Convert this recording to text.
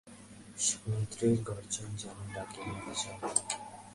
সমুদ্রের গর্জন যেন ডেকে নেয় সবাইকে।